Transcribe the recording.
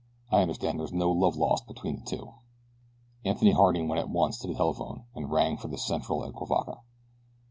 I understand that there is no love lost between the two." Anthony Harding went at once to the telephone and rang for the central at Cuivaca.